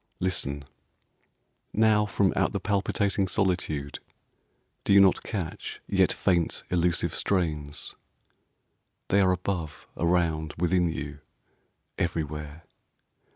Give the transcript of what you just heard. Listen! Now, From out the palpitating solitude Do you not catch, yet faint, elusive strains? They are above, around, within you, everywhere.